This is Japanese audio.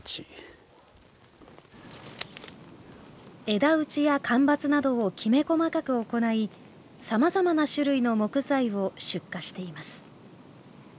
枝打ちや間伐などをきめ細かく行いさまざまな種類の木材を出荷しています